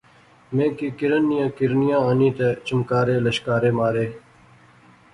میں کی کرن نیاں کرنیاں آنی تہ چمکارے لشکارے مارے